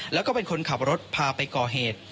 แล้วก็เป็นคนขับรถพาไปก่อเหตุ